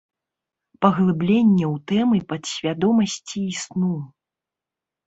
Паглыбленне ў тэмы падсвядомасці і сну.